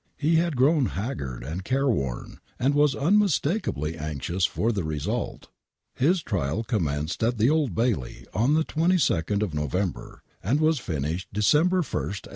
He had grown Laggard and careworn, and was unmistakably anxious for the result. His trial commenced at the Old Bailey on the 22nd of Novem ber, and was finished December 1st, 1875.